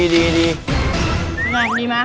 ก็ดีไหม